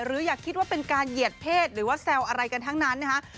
อย่าคิดว่าเป็นการเหยียดเพศหรือว่าแซวอะไรกันทั้งนั้นนะคะ